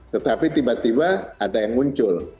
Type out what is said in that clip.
tetapi tiba tiba ada yang muncul